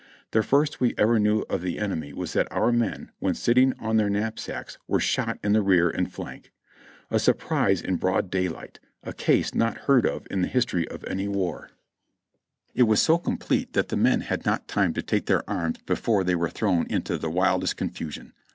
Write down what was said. The first we ever knew of the enemy was that our men, when sitting on their knapsacks, were shot in the rear and flank. A surprise in broad daylight, a case not heard of in the history of any war; it was so complete 358 JOHNNY RE:b and BILLY YANK that the men had not time to take their arms before they were thrown into the wildest confusion.